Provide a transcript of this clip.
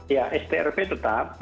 ya strp tetap